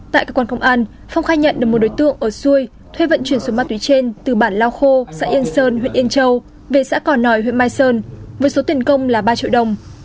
tại cơ quan công an phong khai nhận được một đối tượng ở xuôi thuê vận chuyển số ma túy trên từ bản lao khô xã yên sơn huyện yên châu về xã cỏ nòi huyện mai sơn với số tiền công là ba triệu đồng